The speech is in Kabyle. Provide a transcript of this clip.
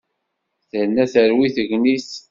Terna terwi tegnit.